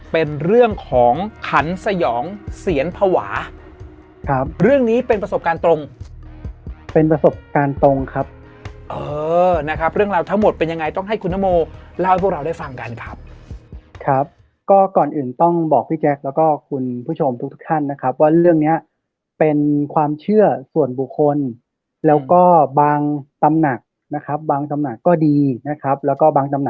เป็นเรื่องของขันสยองเสียนภาวะครับเรื่องนี้เป็นประสบการณ์ตรงเป็นประสบการณ์ตรงครับเออนะครับเรื่องราวทั้งหมดเป็นยังไงต้องให้คุณนโมเล่าให้พวกเราได้ฟังกันครับครับก็ก่อนอื่นต้องบอกพี่แจ๊คแล้วก็คุณผู้ชมทุกทุกท่านนะครับว่าเรื่องเนี้ยเป็นความเชื่อส่วนบุคคลแล้วก็บางตำหนักนะครับบางตำหนักก็ดีนะครับแล้วก็บางตำ